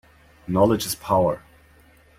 Knowledge is power.